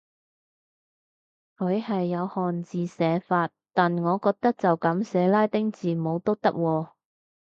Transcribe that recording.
佢係有漢字寫法，但我覺得就噉寫拉丁字母都得喎